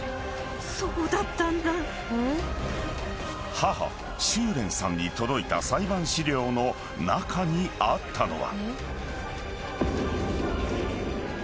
［母秋蓮さんに届いた裁判資料の中にあったのは］